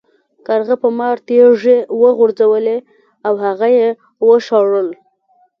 کارغه په مار تیږې وغورځولې او هغه یې وشړل.